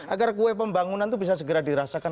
agar kue pembangunan itu bisa segera dirasakan